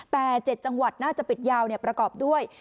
แต่๗จังหวัดน่าจะปิดยาวประกอบด้วย